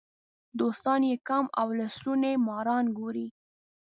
دوستان یې کم او لستوڼي ماران ګوري.